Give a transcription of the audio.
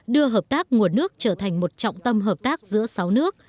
đưa hợp tác nguồn nước trở thành một trọng tâm hợp tác giữa sáu nước